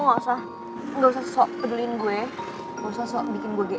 gak usah sok peduliin gue gak usah sok bikin gue gr